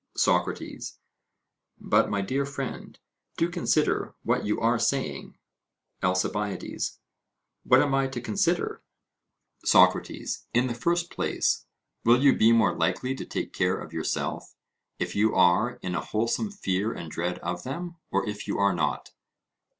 SOCRATES: But, my dear friend, do consider what you are saying. ALCIBIADES: What am I to consider? SOCRATES: In the first place, will you be more likely to take care of yourself, if you are in a wholesome fear and dread of them, or if you are not?